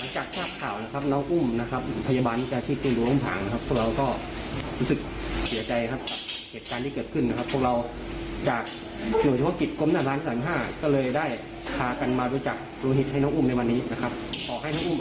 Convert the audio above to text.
ขอให้น้องอุ้มอาการมีช่วงใหม่